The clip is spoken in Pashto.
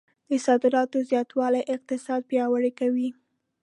د صادراتو زیاتوالی اقتصاد پیاوړی کوي.